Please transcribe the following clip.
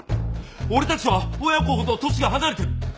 俺たちは親子ほど年が離れてる。